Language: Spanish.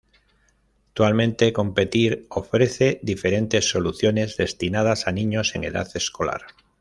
Actualmente, Competir, ofrece diferentes soluciones destinadas a niños en edad escolar.